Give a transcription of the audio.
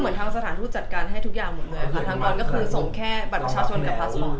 เหมือนทางสถานทูตจัดการให้ทุกอย่างหมดเลยแต่ตรงนั้นก็คือส่งแค่บัตรประชาชนแค่แค่สอง